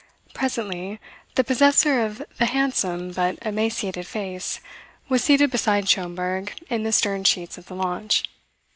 Presently the possessor of the handsome but emaciated face was seated beside Schomberg in the stern sheets of the launch.